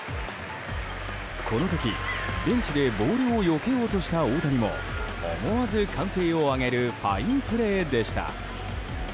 この時ベンチでボールをよけようとした大谷も思わず歓声を上げるファインプレーでした。